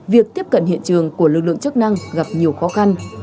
việc tiếp cận hiện trường của lực lượng chức năng gặp nhiều khó khăn